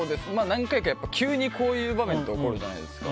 何回か急にこういう場面って起こるじゃないですか。